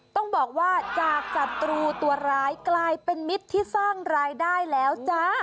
ต้องบอกว่าจากศัตรูตัวร้ายกลายเป็นมิตรที่สร้างรายได้แล้วจ้า